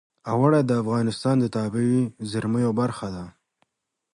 اوړي د افغانستان د طبیعي زیرمو برخه ده.